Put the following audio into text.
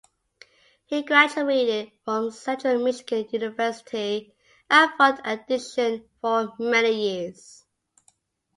He graduated from Central Michigan University and fought addiction for many years.